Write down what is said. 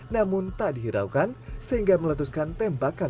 namun tak dihiraukan sehingga meletuskan tembakan